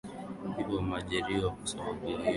hivyo wameajiriwa kwa sababu ya hiyo kazi so